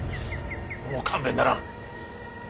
もう勘弁ならん。